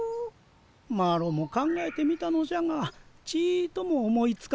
マロも考えてみたのじゃがちとも思いつかぬのじゃ。